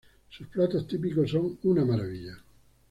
Sus platos típicos son una maravilla.